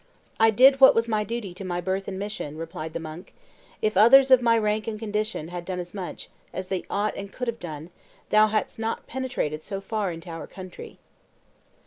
"I did what was my duty to my birth and mission," replied the monk: "if others, of my rank and condition, had done as much, as they ought to and could have done, thou hadst not penetrated so far into our country."